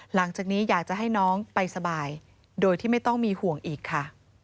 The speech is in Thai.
หลังจากนี้อยากจะให้น้องไปสบายโดยที่ไม่ต้องมีห่วงอีกค่ะ